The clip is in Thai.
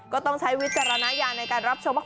ก็ต้องใช้วิจารณญาณในการรับชมว่า